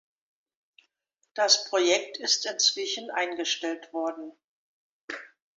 Das Projekt ist inzwischen eingestellt worden.